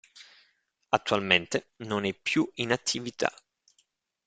Attualmente, non è più in attività.